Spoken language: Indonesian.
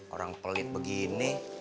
orang pelit begini